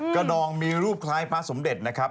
ดองมีรูปคล้ายพระสมเด็จนะครับ